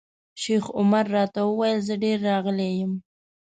شیخ عمر راته وویل زه ډېر راغلی یم.